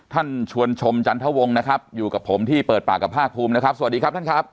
ท่านชวนชมจันทวงนะครับอยู่กับผมที่เปิดปากกับภาคภูมินะครับสวัสดีครับท่านครับ